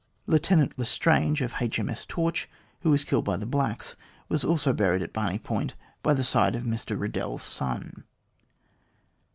Lieutenant Lestrange, of H.M.S. Torch, who was killed by the blacks, was also buried at Barney Point by the side of Mr Riddell's son.